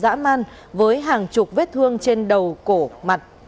đã mang với hàng chục vết thương trên đầu cổ mặt